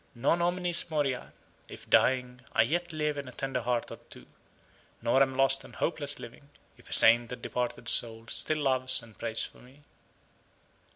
Non omnis moriar if dying, I yet live in a tender heart or two; nor am lost and hopeless living, if a sainted departed soul still loves and prays for me.